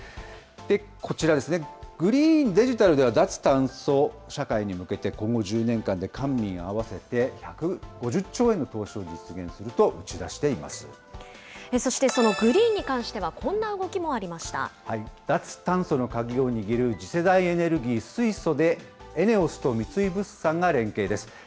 こちらですね、グリーン、デジタルでは、脱炭素社会に向けて、今後１０年間で官民合わせて１５０兆円の投資を実現すると打ち出しそして、そのグリーンに関し脱炭素の鍵を握る次世代エネルギー、水素でＥＮＥＯＳと三井物産が連携です。